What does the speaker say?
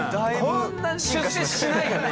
こんな出世しないよね？